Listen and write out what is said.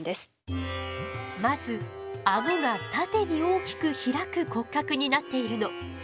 まずアゴが縦に大きく開く骨格になっているの。